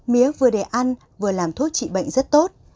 mía vừa để ăn vừa làm thuốc trị bệnh rất tốt